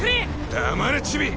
黙れチビ！